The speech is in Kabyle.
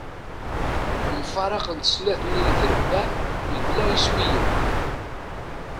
Mfaraqent snat-nni n trebbaɛ mebla iswiyen.